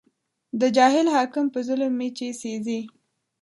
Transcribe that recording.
د جاهل حاکم په ظلم مې چې سېزې